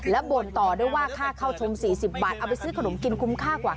และบ่นต่อด้วยว่าค่าเข้าชม๔๐บาทเอาไปซื้อขนมกินคุ้มค่ากว่า